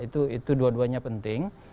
itu dua duanya penting